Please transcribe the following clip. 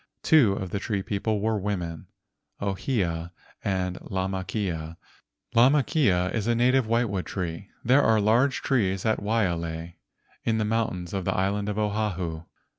Two of the tree people were women, Ohia and Lamakea. Lamakea is a native whitewood tree. There are large trees at Waialae in the mountains of the island Oahu.